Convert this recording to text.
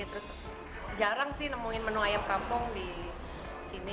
terus jarang sih nemuin menu ayam kampung disini